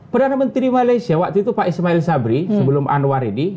perdana menteri malaysia waktu itu pak ismail sabri sebelum anwar ini